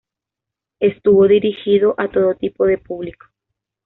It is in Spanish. Estuvo dirigido a todo tipo de público.